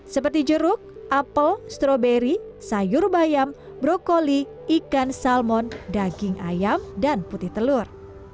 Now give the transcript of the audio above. seperti jeruk apel stroberi sayur bayam brokoli ikan salmon daging ayam dan putih telur